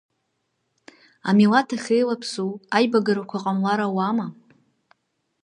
Амилаҭ ахьеилаԥсоу, аибагарақәа ҟамлар ауама?